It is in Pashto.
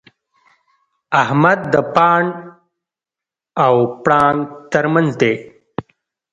احمد د پاڼ او پړانګ تر منځ دی.